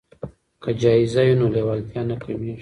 که جایزه وي نو لیوالتیا نه کمیږي.